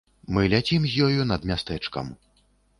Мы ляцім з ёю над мястэчкам.